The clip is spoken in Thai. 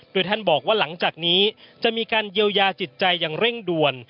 โดยท่านบอกว่าหลังจากนี้จะมีการเยียวยาจิตใจอย่างเร่งด่วน